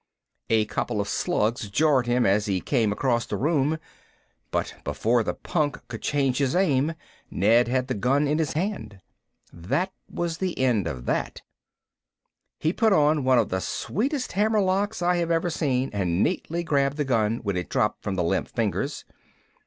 A couple of slugs jarred him as he came across the room, but before the punk could change his aim Ned had the gun in his hand. That was the end of that. He put on one of the sweetest hammer locks I have ever seen and neatly grabbed the gun when it dropped from the limp fingers.